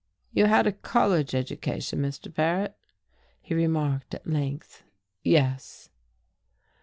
"You had a college education, Mr. Paret," he remarked at length. "Yes."